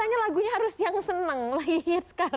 katanya lagunya harus yang senang lagi sekarang